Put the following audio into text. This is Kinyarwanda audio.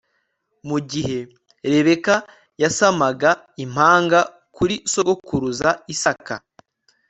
mu gihe rebeka yasamaga impanga kuri sogokuruza isaka